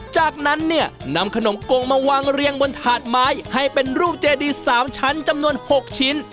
จากนั้นเนี่ยนำขนมกงมาวางเรียงบนถาดไม้ให้เป็นรูปเจดี๓ชั้นจำนวน๖ชิ้น